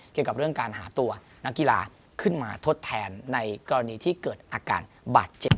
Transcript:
เกี่ยวกับเรื่องการหาตัวนักกีฬาขึ้นมาทดแทนในกรณีที่เกิดอาการบาดเจ็บ